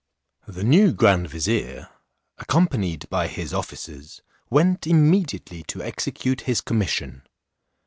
The new grand vizier, accompanied by his officers, went immediately to execute his commission.